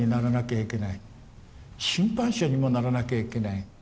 審判者にもならなきゃいけない。